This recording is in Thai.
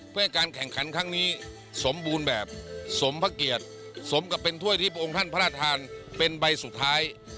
เพื่อให้การแข่งขันครั้งนี้สมบูรณ์แบบสมพระเกียรติสมกับเป็นถ้วยที่พระองค์ท่านพระราชทานเป็นใบสุดท้าย